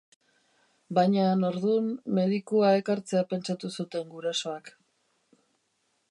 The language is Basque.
Bañan ordun medikua ekartzea pentsatu zuten gurasoak.